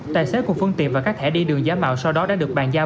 tài xế của phương tiện và các thẻ đi đường giá mạo sau đó đã được bàn giao